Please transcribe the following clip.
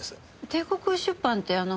帝国出版ってあの。